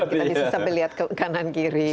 kita bisa melihat ke kanan kiri